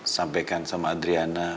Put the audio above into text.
sampaikan sama adriana